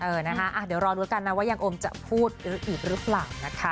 เออนะคะเดี๋ยวรอดูกันนะว่ายังโอมจะพูดอีกหรือเปล่านะคะ